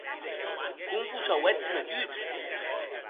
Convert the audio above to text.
Com vos auetz metut!